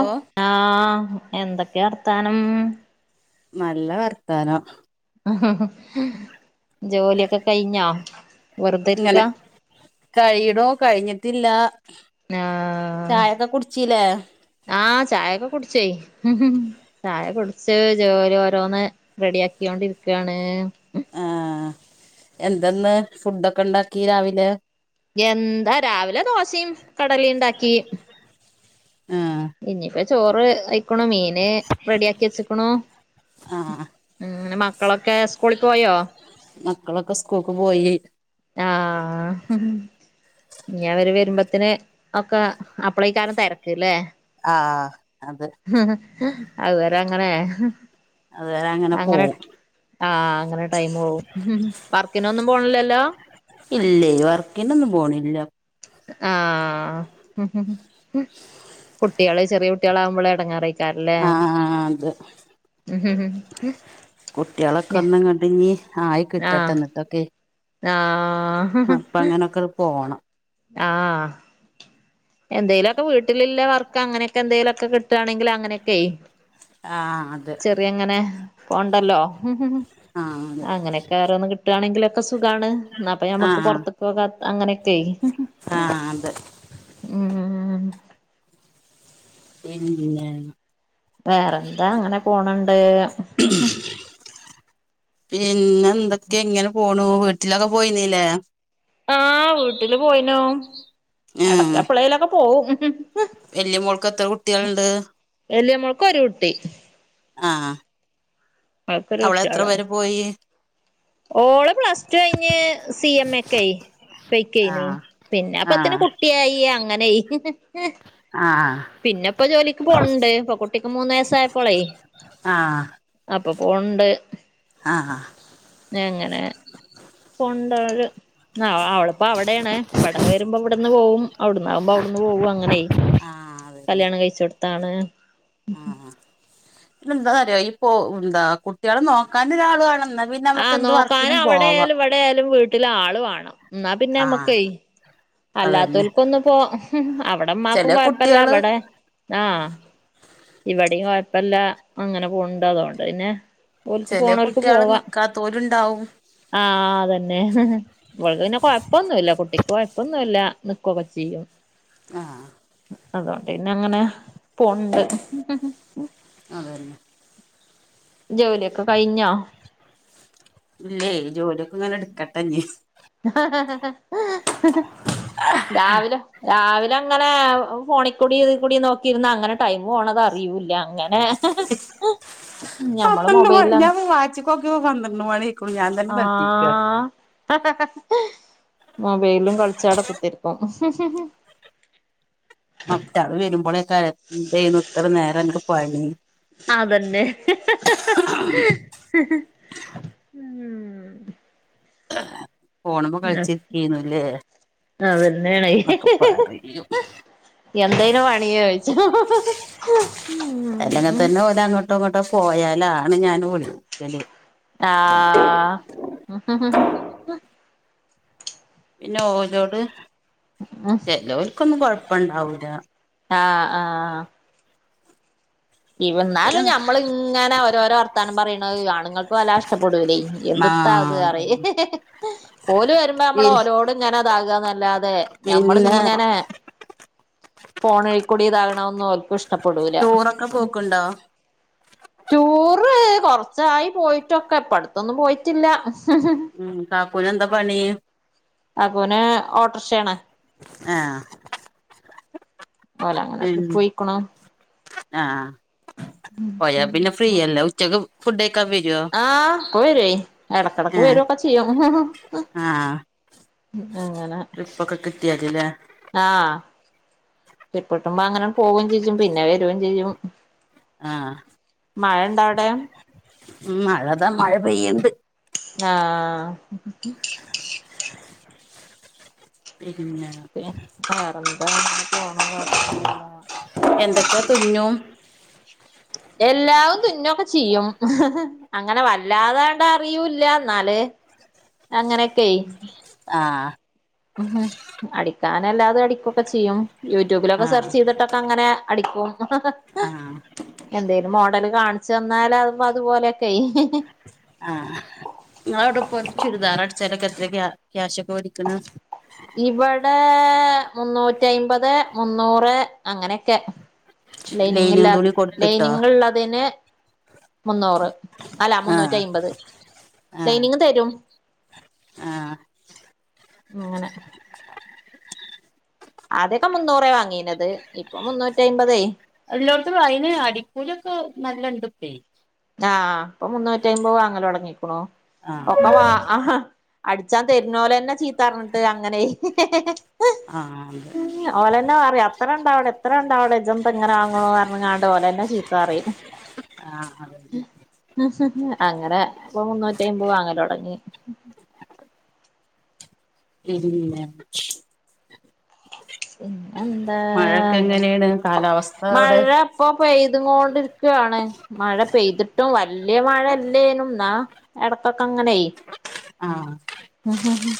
ഓ ആഹ് എന്തൊക്കെയ വർത്താനം? നല്ല വർത്താനം. ഹ ഹ ജോലിയൊക്കെ കഴിഞ്ഞ വെറുതെരിക്ക. കഴിടോ കഴിഞ്ഞിട്ടില്ല ആഹ് ചായൊക്കെ കുടിച്ചില്ലേ? ആഹ് ചായൊക്കെ കുടിച്ചയ്. ഹു ഹ് ചായ കുടിച്ച് ജോലി ഓരോന്ന് റെഡിയ ആക്കികൊണ്ടിരിക്കയാണ്. ആഹ എന്തെന്ന് ഫുഡൊക്കെ ഉണ്ടാക്കി രാവിലെ? എന്താ രാവിലെ ദോശയും കടലയും ഉണ്ടാക്കി. ആഹ് ഇനിയിപ്പോ ചോറ് അയിക്കണോ മീന് റെഡി ആക്കി വെച്ചക്കണു. ആഹ് ഉം മക്കളൊക്കെ സ്കൂളിൽ പോയോ? മക്കളൊക്കെ സ്കൂൾക്ക് പോയി. ആഹ ഹും. ഇനി അവര് വരുമ്പോത്തിന് ഒക്കെ അപ്ലൈക്കാരം തിരക്ക് ല്ലേ? ആഹ് അതെ. ഹ ഹേ അതുവരെ അങ്ങനെ ഹ. അതുവരെ അങ്ങനെ പോവും. ആഹ് അങ്ങനെ ടൈം പോവും ഹും വർക്കിനൊന്നും പോണില്ലല്ലോ? ഇല്ലേ വർക്കിനൊന്നും പോണില്ല. ആഹ് ഹും കുട്ടികള് ചെറിയ കുട്ടികളാകുമ്പോളുളള ഇടങ്ങേറെ ആഹ് അത് [unintelligible] ഹും കുട്ടികളൊക്കെ ഒന്ന് ഇങ്ങോട്ട് ഇനി ആയി കിട്ടട്ടെ ആഹ് എന്നിട്ടൊക്കെ അപ്പൊ അങ്ങനെയൊക്കെ പോണം. ആഹ് എന്തേലുമൊക്കെ വീട്ടിലുള്ള വർക്ക് അങ്ങനെയൊക്കെ എന്തേലുമൊക്കെ കിട്ടുകണെങ്കിൽ അങ്ങനൊക്കയ് ആഹ് അത് അങ്ങനെ പോണ്ടല്ലോ. ഹും ആഹ് അത് അങ്ങനൊക്കെ ഒരോന്ന് കിട്ടുവാണെങ്കിലൊക്കെ സുഖാണ് ഇന്നാ ഇപ്പൊ ഞമ്മക്ക് ആഹ് പുറത്ത് പോകാം അങ്ങനെയൊക്കെ ആഹ് അത് ഉം ഉം [unintelligible] വേറെന്താ അങ്ങനെ പോണണ്ട്. പിന്നെ എന്തൊക്കെ ഇങ്ങനെ പോണു വീട്ടിലൊക്കെ പോയിന്നീല്ലേ? ആഹ് വീട്ടില് പോയിനോ എടക്കപ്പള്ളയിലൊക്കെ പോവും. വല്ലിയ മോൾക്ക് എത്ര കുട്ടികളുണ്ട്? വല്ല്യമോൾക്ക് ഒരു കുട്ടി. ആഹ്. ഓക്കൊരു കുട്ടിയൊളളു പോയി ഓള് പ്ലസ് റ്റു കഴിഞ്ഞ് സി എം എക്ക് ആ പൊയ്കേനു പിന്നെ ആ അപ്പോത്തിന് കു ട്ടിയായി അങ്ങനെയായി ആ പിന്നെ ഇപ്പൊ ജോലിക്ക് പോണ്ട് ഇപ്പൊ കുട്ടിക്ക് മൂന്ന് വയസ്സായപ്പോളെ ആഹ് അപ്പൊ പോവ്ണ്ട് ആഹ് ആഹ് എങ്ങനെ പോണ്ടാല് ആ അവളിപ്പോ അവിടെയാണ് ഇവിടെ വരുമ്പോ ഇവിടന്ന് പോവും അവിടന്നാവുമ്പോ അവിടുന്ന് പോവും അങ്ങനെ അതന്നെ കല്യാണം കഴിച്ച് ടുത്താണ് പിന്നെ എന്താ അറിയോ ഇപ്പൊ എന്താ കുട്ടികളെ നോക്കാൻ ഒരാള് വേണം പിന്നെ നമുക്ക് എന്ത് വർക്കിനും പോവാം എവിടെ ആയാലും വീട്ടിൽ ആള് വേണം ഇന്നാ പിന്നെ ആ നമ്മക്കെ അതന്നെ അല്ലാത്തോൽക്കൊന്നും ഇപ്പോ അവിടമ്മാക്കും ചെല കൊഴപ്പല്ല ഇ കുട്ടികള് വിടെ ആഹ് ഇവിടെയും കൊഴപ്പല്ല അങ്ങനെ പോവ്ണ്ട് അതുകൊണ്ട് പിന്നെ ഓൽക്ക് ചെലെ പോണോൽക്ക് കുട്ട്യാള് നിക്കാത്തോരുണ്ടാവും ആഹ അതന്നെ ഇവള് ത് പിന്നെ കൊഴപ്പൊന്നുല്ല കുട്ടിക്ക് കൊഴപ്പൊന്നുല്ല നിക്കുക്കെ ചെയ്യും ആഹ് അതുകൊണ്ട് പിന്നെ അങ്ങനെ പോവ്ണ്ട് അതെന്നെ ജോലിയൊക്കെ കഴിഞ്ഞോ ഇല്ലേ ജോലിയൊക്കെ ഇങ്ങനെ എടുക്കട്ടെ ഇനി [unintelligible] രാവിലെ രാവിലെ അങ്ങനെ ഫോണിൽ കൂടി ഇതി കൂടി നോക്കിരുന്ന അങ്ങനെ ടൈം പോണത അറിയൂല്ല അങ്ങനെ ഞമ്മള് പന്ത്രണ്ട് മൊബൈലിൽ ഞാൻ വാച്ച്ക്കോക്കിപ്പോ പന്ത്രണ്ട് മണി ആഹ [unintelligible] മൊബൈലും കളിച്ചാട കുത്തിരിക്കും മറ്റാള് വരുമ്പോളെകാരം എന്തേന് ഇത്ര നേരം അൻക്ക് പണി അതന്നെ ഉം ഉം ഫോണ്മ കളിച്ചിരിക്കേന്ല്ലേ അവ ന്നെണേ [unintelligible] എന്തേനു പണി ചോയ്ച്ചും ആ ട്ടുങ്ങോട്ട് പോയാലാണ് ഞാൻ വിളിക്കല് ആഹ പിന്നെ ഓരോട് ചിലോർക്കൊന്നും കൊഴപ്പണ്ടാവൂല്ല ആഹ് ആഹ ഇ എന്നാലും പിന്നെ നമ്മൾ ഇങ്ങനെ ഓരോരോ വർത്താനം പറയണത് ആണുങ്ങൾക്കോലാ ഷ്ടപ്പെടൂല്ലേ ആ എന്ത്ത്താത്റയേ അതന്നെ ഓല് വരുമ്പോ പി നമ്മള് ഓലോട് ഇങ്ങനെതാകന്നല്ലാതെ പിന്നെ ഞമ്മള്ങ്ങനെ ഫോണഴിക്കൂട ഇതാകണൊന്നും ഒല്ക്കും ഇഷ്ടപ്പെടൂല പോക്കുണ്ടോ ടൂറ് കൊറച്ചായി പോയിട്ടൊക്കെ ഇപ്പടുത്തൊന്നും പോയ്ട്ടില്ല ഉം കാക്കൂന് എന്താ പണി കാക്കൂന് ഓട്ടർഷാണ് ആഹ ഓലങ്ങനെ ഉം ട്രിപ്പ് പോയിക്ക്ണു ആഹ പോയാ പിന്നെ ഫ്രീ എല്ലെ ഉച്ചക്ക് ഫുഡയ്ക്കാ വരോ ആഹ ഇപ്പ വര്വേ ഇടക്കടക്ക് വരൊക്കെ ചെയ്യും ആഹാ ട്രിപോക്കെ കിട്ട്യാല്ല്ലേ? ആഹാ അ ട്രിപ്പ്ട്ടുമ്പോ അങ്ങനെ പോവും ചെജ്ജും പിന്നെ വരും ചെയ്യും. ആഹ മഴ ഇണ്ടോ അവിടെ ഉമും മഴതാ മഴ പെയ്യ്ണ്ട് ആഹാ. [inaudible] പിന്നെ പിന്ന വേറെ എന്താ അങ്ങിനപോണ്ല്ലെ [inaudible] എന്തോക്കെതുന്നും. എല്ലാവും തുന്നൊക്കെ ചെയ്യും. ഹ് ഹെ അങ്ങനെ വല്ലാതണ്ടറിയുല്ല ന്നാല് അങ്ങനൊക്കെ ആഹാ ഹും ഹെ അടിക്കാനല്ലാതു അടിക്കൊക്കെ ചെയ്യും. യൂട്യൂബിലൊക്കെ സെർച്ച് ആഹ് ചെയ്തിട്ടൊക്കെങ്ങനെ അടിക്കും. ഹ് ഹെ ഹേ ആഹ് എന്തേലും മോഡല് കാണിച്ച്ന്നാല് അത് അതുപോലൊക്കെ ഹി ഹി ആഹാ ഇങ്ങളവ്ടെപ്പൊര് ചുരിദാറടിച്ചാലൊക്കെ എത്രക്യ ക്യാശൊക്കെ വേടിക്കണ ഇവടേആ മുന്നൂറ്റയ്മ്പത് മുന്നൂറ് അങ്ങനൊക്കെ. ലൈനിങ് ലൈനിങ്ല്ലാത തുണി കൊടുത്തിട്ടോ ലൈനിങ്ള്ളതിന് മുന്നൂറ് അല്ല ആഹ് മുന്നൂറ്റയ്മ്പത്. ആഹ് ലൈനിങ് തരും. ആഹ് അങ്ങനെ ആദ്യൊക്കെ മുന്നൂറെ വാങ്ങീനത്. ഇപ്പൊ മുന്നൂറ്റയ്മ്പത് എല്ലോട്ത്തും അയ്ന് അടിക്കൂലൊക്കെ നല്ലണ്ട് പ്പേയ് ആഹ ഇപ്പൊ മുന്നൂറ്റയ്മ്പ് വാങ്ങലോട്ങ്ങിക്കണു. ആഹ് ഒക്കെവാ ഹഹാ അടിച്ചാൻ തെർന്നോലെന്നെ ചീത്ത ർഞ്ഞിട്ട് അങ്ങനെ ഹി ഹെ ഹേ ആഹ ഉും ഉ ഓലന്നെ പറിം അത്രണ്ടാവടെ ഇത്ര ണ്ടാവടെ ജന്തങ്ങനാവാങ്ങണു പറഞ്ഞാങ്ങണ്ട് ഓലന്നെ ചീത്ത പറയും. ആഹ അതെന്നേ [unintelligible] അങ്നെ പ്പൊ മുന്നൂറ്റയ്മ്പ് വാങ്ങലോടങ്ങി. ഇല്ല പിന്നെ എന്താ അങ്ങനെ മഴൊക്കെങ്ങനെയാണ്. കാലാവസ്ഥ അവിടെ മഴ ഇപ്പൊ പെയ്ത് കൊണ്ടിരിക്കാണ് മഴ പെയ്തിട്ടും വല്ല്യ മഴ ല്യേനും ന്നാ ഇടക്കൊക്കെ അങ്ങനെയ്. ആഹാ ഉ ഹം ഹും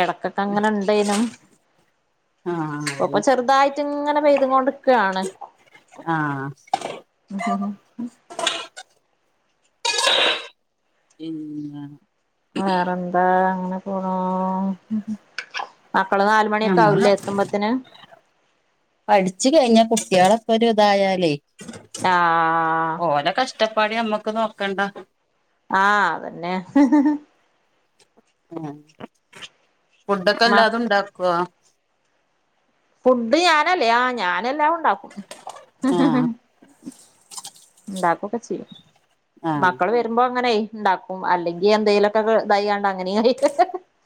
ഇടക്കൊക്കെ അങ്ങനെ ണ്ടേനും ആഹ് ഇപ്പ ഇപ്പൊ അതന്നെ ചെറുതായിട്ട് ഇങ്ങനെ പെയ്ത കൊണ്ട്ക്കാണ്. ആഹാ ഹും ഹും പിന്നെ വേറെന്താ അങ്ങനെ പോണൂ. ഹും ഹു മക്കള് നാല് മണിയൊക്കെ ഞമ്മള് ആവുല്ലേ എത്തുമ്പത്തിന്. പഠിച്ചു കഴിഞ്ഞ കുട്ടികളൊക്കെരു ഇതായാലേ ആഹ് ഓല കഷ ഷ്ടപ്പാട് നമ്മുക്ക് നോക്കണ്ട. ആഹ അതന്നെ ഹ് ഹ് ഹേ ഫുഡൊക്കെ മ എല്ലാതും ഉണ്ടാക്കുവോ? ഫുഡ് ഞാനല്ലേ ആ ഞാനെല്ലാവും ണ്ടാക്കും. ണ്ടാകൊക്കച്ചെയ്യും മക്കള് വെ വരുമ്പോ അങ്ങനെണ്ടാക്കും. അല്ലെങ്കി എന്തെങ്കലുക്കെ ഇത്യണ്ട് അങ്ങനെയ്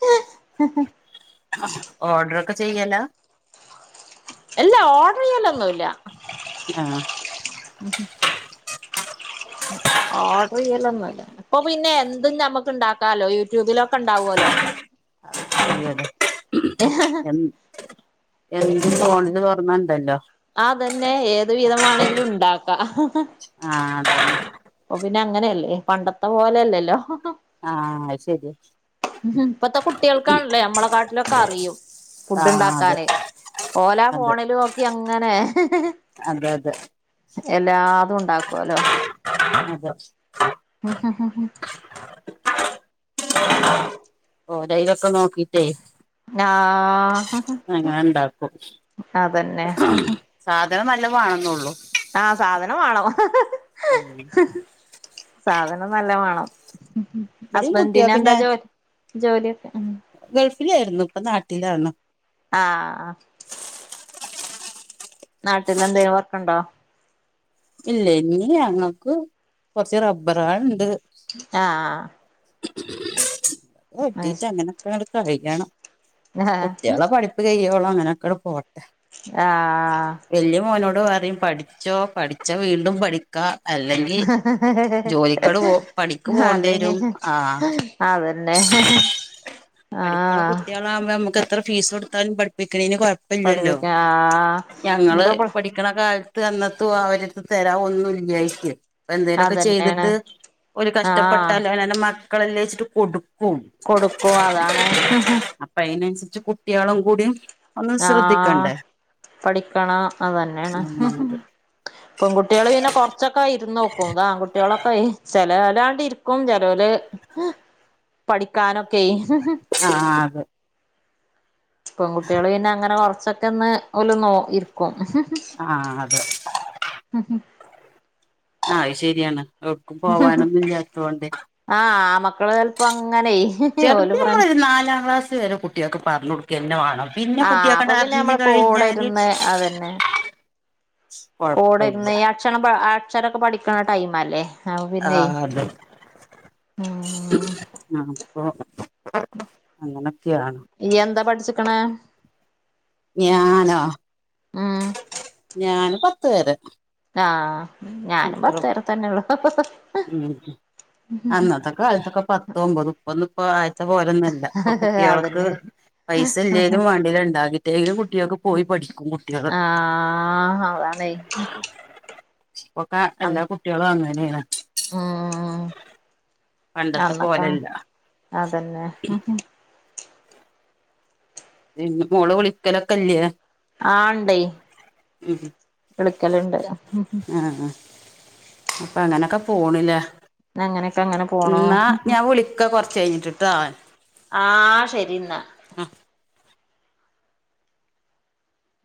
[unintelligible] ഒഡ്രോക്കെ ചെയ്യലാ അല്ല ഒഡ്രയ്യ്യാലൊന്നുല്ല ആഹാ ഹു ഹും ആ ഓഡ്റു ചെയ്യലൊന്നൂല്ല അപ്പൊ പിന്നെ എന്തും നമ്മുക്ക് ഉണ്ടാക്കാലോ യൂട്യൂബിലൊക്കെ ഉണ്ടാവുമല്ലോ [unintelligible] ഏ ഹ ഹ [unintelligible] ഫോണന്ന് ഓർന്നുണ്ടല്ലോ അതന്നെ ഏത് വിധമാണെങ്കിലും ഉണ്ടാക്ക ഹ ഹ ആഹ് അതെന്നെ ഓ പിന്നെ അങ്ങനെയല്ലേ പണ്ടത്തെ പോലെയല്ലല്ലോ ആഹ് അയ്ശരിയാ ഉം ഇപ്പത്തെ കുട്ടികൾക്കാണല്ലേ നമ്മളെ കാട്ടിലൊക്കെ അറിയും ആഹ് അതെ ഫുഡ്ണ്ടാക്കാന് ഓല അത് ഫോണില് നോക്കി അങ്ങനെ ഹ് ഹ് അതെ അതെ എല്ലാതും ഉണ്ടാക്കുവല്ലോ അതെ ഉ ഹ ഹ ഹ് ഓരൈലൊക്കെ നോക്കിട്ടേ ആഹ് അങ്ങനെ ഉണ്ടാക്കും അതന്നെ സാധനം നല്ലതേണെന്ന ഉള്ളു ആഹ സാധനമാണം ഹ ഹ സാധനം നല്ല വേണം ഇവിടെയും ഹസ്ബൻഡിനെ കുട്ടികൾക്ക് എന്താ ഞാൻ ജോലി ജോലിയൊക്കെ ഉ ഗൾഫിലായിരുന്നു ഇപ്പൊ നാട്ടിലന്ന ആഹ ആഹ് നാട്ടിൽ എന്തേിലും വർക്കുണ്ടോ ഇല്ല ഇനി ഞങ്ങൾക്ക് കൊറച്ച് റബ്ബറ ആള ഉണ്ട് ആഹ് അത് വെട്ടിട്ട ശരി അങ്ങനൊക്കെങ്ങ കഴിക്കണം കുട്ടികളെ പഠിപ്പ് കഴ്യോുള്ളോ അങ്ങനെയൊക്കെ പോട്ടെ ആഹ് വലിയ മോനോട് പറയും പഠിച്ചോ പഠിച്ച വീണ്ടും പഠി ക്ക അല്ലെങ്കിൽ ജോലിക്കോട് പോ പണിക്ക് പോകേണ്ടി അല്ലെ വരും ആഹ അതന്നെ പഠിക്കണ ആഹ് [unintelligible] എത്ര ഫീ കൊടുും പഠിപ്പിക്ക കൊഴപ്പില്ലല്ലോ പഠിപ്പിക്കാ ആഹ് ഞങ്ങള് ഇനിപ്പോ പ്ല ഇക്കണ കാലത്ത് അന്നത്തും അവര തെര ഒന്നുംല്ലായിക്ക എന്തേങ്കലുമൊക്കെ അതന്നെയാണ് ചെയ്തിട്ട് ഒരു ആഹ് കഷ്ടപ്പെട്ടാലോ അനെ മക്കളെല്ലാം വെച്ചിട്ട് കൊടുക്കും കൊടുക്കോ അതാണ് അപ്പ അതിനനുസരിച്ച് കുട്ടികളും കൂടി ആഹ പഠിക്കണം അത് തന്നെയാണ് ആഹ് പെൺകുട്ടികള് പിന്നെ കൊറച്ചൊക്കെ ഇരന്ന് നോക്കുംതാ ആൺകുട്ടികളൊക്കെ ചെലലാണ്ട് [unintelligible] ചെലോല് പഠിക്കാനൊക്കെ ആഹ് അതെ പെൺകുട്ടികള് പിന്നെ അങ്ങനെ കൊറച്ചൊക്കെ ഒന്ന് നോ ഇക്കും ആഹ അതെ ഉം ഉം ആ അത് ശരിയാണ് ഒർക്കും പോവാനൊന്നും ഇല്ലാത്തോണ്ടേ ആഹ് ആ മക്കള് ചിലപ്പോ അങ്ങന ഓല ചെറുത് [unintelligible] നമ്മളൊരു നാലാം ക്ലാസ് വരെ കുട്ടികൾക്ക് പറഞ്ഞു കൊടുക്കന്നെ വേണം പിന്നെ ആഹ് അപ്പൊ കുട്ടികൾക്കണ്ട് പിന്നെ അറിഞ്ഞു നമ്മൾ കൂടെ കഴിഞ്ഞാല് ഇരുന്ന് അതന്നെ കൂടെ കൊഴപ്പല്ല ഇന്ന് ഈ അക്ഷര അക്ഷരൊക്കെ പഠിക്കണ ടൈം അല്ലേ അപ്പൊ പിന്നെ ആഹ് അതെ ഉം ആ അപ്പ അങ്ങനൊക്കെയാണ് [unintelligible] എന്താ പഠിച്ചിക്കണേ ഞാനോ ഉം ഞാന് പത്ത് പേര് ആഹ ഞാനും പത്ത് വരെ തന്നെ ഉള്ളൂ ഉം അന്നത്ത കാലത്തൊക്കെ പത്തോ ഒമ്പത് ഇപ്പ ഒന്നും ഇപ്പ ആഴത്തെ പോലൊന്നല്ല ഇപ്പൊ കുട്ടിയാൾക്ക് അതന്നെ പൈസ ഇല്ലെങ്കിലും വേണ്ടില ഉണ്ടാക്കിട്ടേങ്കിലും കുട്ടികൾക്ക്െ പോയി പഠിക്കും കുട്ടികള് ആ ഇപ്പൊക്കെ എല്ലാ കുട്ടികളും അങ്ങ്നെണ് ഉം പണ്ടത്തെ അന്നക്കെ പോലെല്ല അതന്നെ പി മോള വിളിക്കലൊക്കല്ലേ ആ ണ്ടേയ് വിളിക്കലുണ്ട് ആ അപ്പ അങ്ങനൊക്കെ പോണില്ലേ അങ്ങനെയൊക്കെ അങ്ങനെ പോണു എന്നാ ഞാൻ വിളിക്ക കുറച്ച് കഴിഞ്ഞിട്ടിട്ടാ ആ ശരി ന്നാ